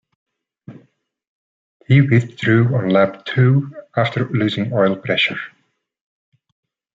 He withdrew on lap two after losing oil pressure.